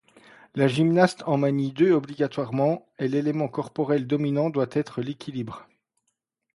La gymnaste en manie deux obligatoirement, et l'élément corporel dominant doit être l'équilibre.